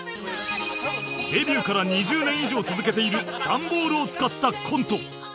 デビューから２０年以上続けているダンボールを使ったコント